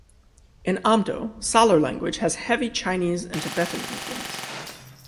In Amdo, Salar language has heavy Chinese and Tibetan influence.